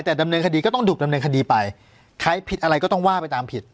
แต่ดำเนินคดีก็ต้องถูกดำเนินคดีไปใครผิดอะไรก็ต้องว่าไปตามผิด